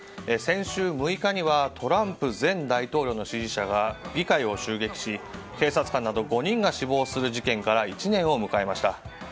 先週６日にはトランプ前大統領の支持者が議会を襲撃し警察官など５人が死亡する事件から１年を迎えました。